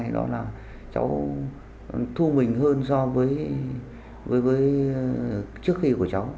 đó là cháu thu mình hơn so với trước khi của cháu